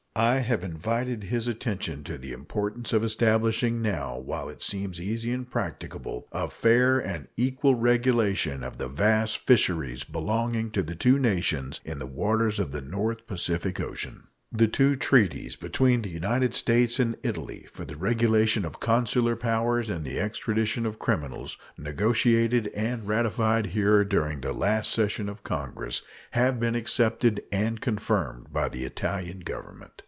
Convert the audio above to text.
I have invited his attention to the importance of establishing, now while it seems easy and practicable, a fair and equal regulation of the vast fisheries belonging to the two nations in the waters of the North Pacific Ocean. The two treaties between the United States and Italy for the regulation of consular powers and the extradition of criminals, negotiated and ratified here during the last session of Congress, have been accepted and confirmed by the Italian Government.